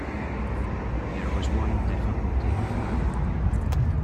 There was one difficulty, however.